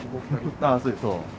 ああそう。